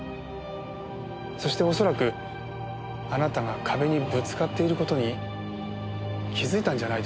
そして恐らくあなたが壁にぶつかっている事に気づいたんじゃないでしょうか。